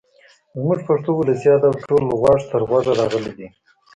زموږ پښتو ولسي ادب ټول غوږ تر غوږه راغلی دی.